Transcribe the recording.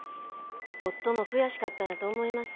夫も悔しかったんやと思います。